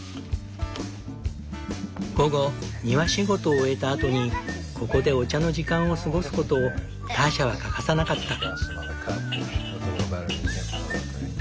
午後庭仕事を終えたあとにここでお茶の時間を過ごすことをターシャは欠かさなかった。